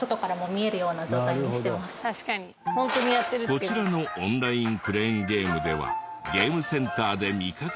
こちらのオンラインクレーンゲームではゲームセンターで見かけないものも。